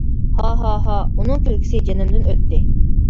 -ھا ھا ھا. ئۇنىڭ كۈلكىسى جېنىمدىن ئۆتتى.